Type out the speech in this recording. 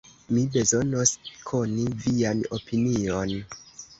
Mi bezonos koni vian opinion.